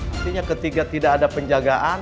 artinya ketika tidak ada penjagaan